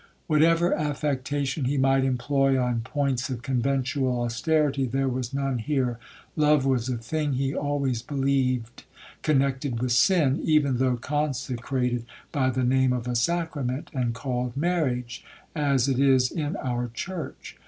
Whatever affectation he might employ on points of conventual austerity, there was none here. Love was a thing he always believed connected with sin, even though consecrated by the name of a sacrament, and called marriage, as it is in our church.